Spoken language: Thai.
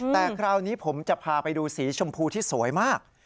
แต่คราวนี้ผมจะพาไปดูสีชมพูที่สวยมาก